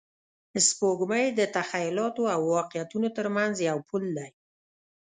سپوږمۍ د تخیلاتو او واقعیتونو تر منځ یو پل دی